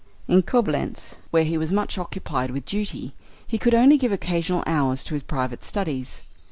In Coblentz, where he was much occupied with duty, he could only give occasional hours to his private studies.